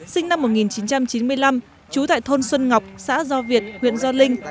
sinh năm một nghìn chín trăm chín mươi năm trú tại thôn xuân ngọc xã do việt huyện gio linh